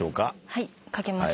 はい書けました。